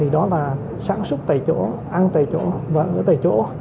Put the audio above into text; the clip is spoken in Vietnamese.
đó là sản xuất tại chỗ ăn tại chỗ và ở tại chỗ